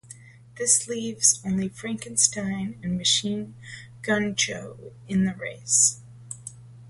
This leaves only Frankenstein and Machine Gun Joe in the race.